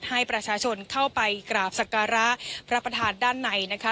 ให้ประชาชนเข้าไปกราบสการะพระประธานด้านในนะคะ